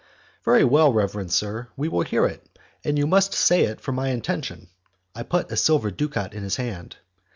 "Very well, reverend sir, we will hear it, and you must say it for my intention." I put a silver ducat in his hand.